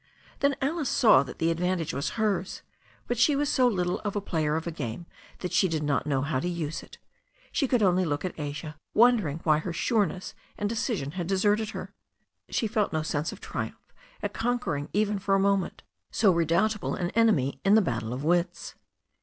Then Alice saw that the advantage was hers, but she was so little of a player of a game that she did not know how to use it. She could only look at Asia, wondering why her sureness and decision had deserted her. She felt no sense of triumph at conquering even for a moment so redoubtable an enemy in the battle of wits.